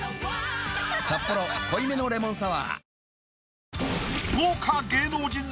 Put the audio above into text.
「サッポロ濃いめのレモンサワー」